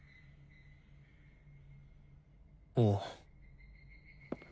おう。